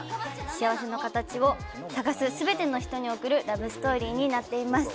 幸せの形を探す全ての人に送るラブストーリーになっています。